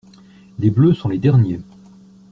Les bleus sont les derniers.